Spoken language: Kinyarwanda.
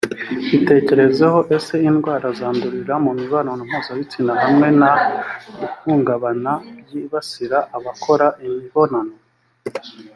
bitekerezeho ese indwara zandurira mu mibonano mpuzabitsina hamwe n ihungabana byibasira abakora imibonano